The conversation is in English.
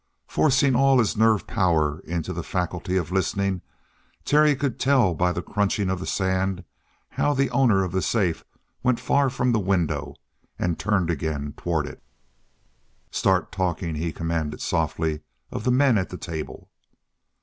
Forcing all his nerve power into the faculty of listening, Terry could tell by the crunching of the sand how the owner of the safe went far from the window and turned again toward it. "Start talking," he commanded softly of the men at the table.